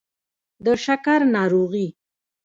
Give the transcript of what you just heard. د شکر ناروغي